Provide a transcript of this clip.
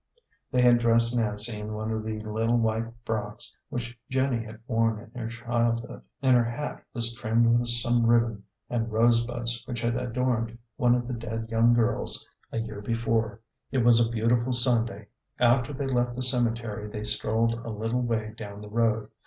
They had dressed Nancy in one of the little white frocks which Jenny had worn in her childhood, and her hat was 252 A GENTLE GHOST. trimmed with some ribbon and rose buds which had adorned one of the dead young girl's years before. It was a beautiful Sunday. After they left the cemetery they strolled a little way down the road.